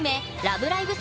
「ラブライブ！